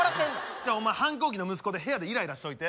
じゃあお前反抗期の息子で部屋でイライラしといて。